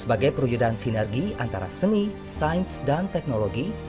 sebagai perujudan sinergi antara seni sains dan teknologi